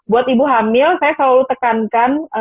buat ibu hamil saya selalu tekankan